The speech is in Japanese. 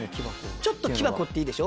ちょっと木箱っていいでしょ。